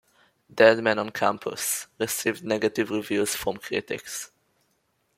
"Dead Man on Campus" received negative reviews from critics.